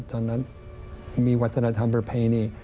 ตอนนั้นมีวัฒนธรรมประเพณี